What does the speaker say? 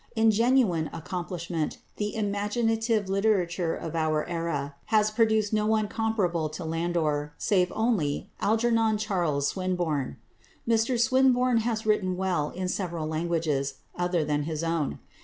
In genuine accomplishment, the imaginative literature of our era has produced no one comparable to Landor, save only =Algernon Charles Swinburne (1837 )=. Mr Swinburne has written well in several languages other than his own.